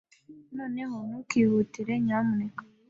Noneho ntukihutire, nyamuneka.